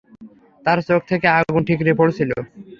তার চোখ থেকে আগুন ঠিকরে পড়ছিল।